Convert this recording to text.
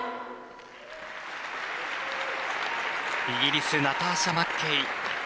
イギリスナターシャ・マッケイ。